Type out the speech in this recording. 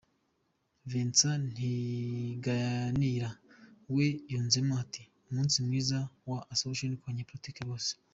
Vincent Ntaganira we yunzemo ati ‘‘Umunsi mwiza wa Asomption ku banyagatolika bose.